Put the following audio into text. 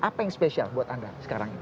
apa yang spesial buat anda sekarang ini